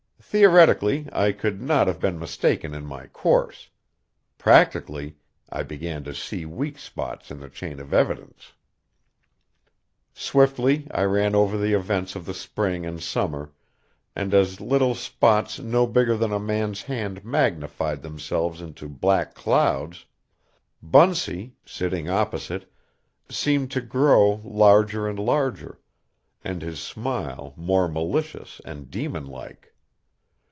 Theoretically, I could not have been mistaken in my course; practically, I began to see weak spots in the chain of evidence. Swiftly, I ran over the events of the spring and summer, and as little spots no bigger than a man's hand magnified themselves into black clouds, Bunsey, sitting opposite, seemed to grow larger and larger, and his smile more malicious and demon like.